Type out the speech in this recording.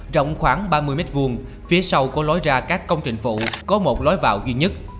rộng khoảng ba mươi m hai phía sau của lối ra các công trình phụ có một lối vào duy nhất